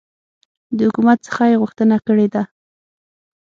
د حکومت څخه یي غوښتنه کړې ده